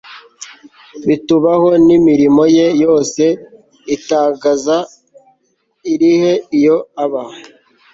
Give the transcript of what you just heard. bitubaho N imirimo ye yose itangaza iri he iyo ba